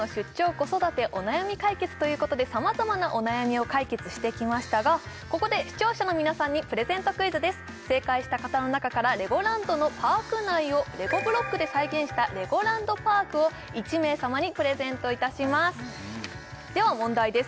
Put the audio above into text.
子育てお悩み解決ということでさまざまなお悩みを解決してきましたがここで視聴者の皆さんにプレゼントクイズです正解した方の中からレゴランドのパーク内をレゴブロックで再現したレゴランドパークを１名様にプレゼントいたしますでは問題です